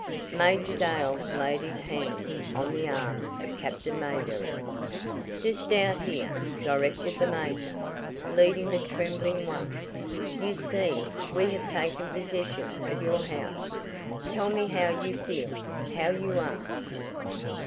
Major Dale laid his hand on the arm of Captain Mayberry. [Illustration: "GO AWAY I'M CRAZY, CRAZY!" Page 220.] "Just out here," directed the major, leading the trembling one. "You see, we have taken possession of your house. Tell me how you feel? How you are?"